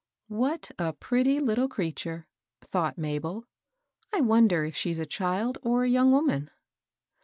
811 What a pretty little creature !" thought Ma bel. "I wonder if she's a child or a young woman."